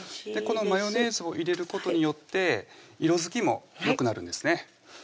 このマヨネーズを入れることによって色づきもよくなるんですね